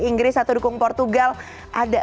inggris atau dukung portugal ada